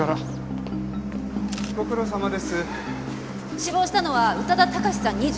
死亡したのは宇多田貴史さん２５歳。